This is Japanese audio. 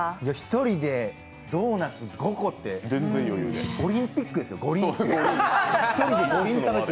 １人でドーナツ５個ってオリンピックですよ、五輪ピック。